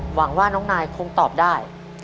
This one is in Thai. หวังว่าน้องนายคงตอบได้